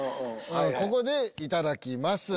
ここでいただきます。